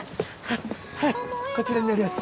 こちらになります